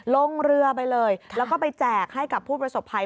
ลงเรือไปเลยแล้วก็ไปแจกให้กับผู้ประสบภัย